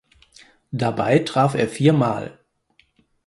Dabei traf er viermal.